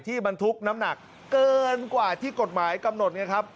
บรรทุกน้ำหนักเกินกว่าที่กฎหมายกำหนดไงครับ